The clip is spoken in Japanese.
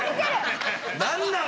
何なん？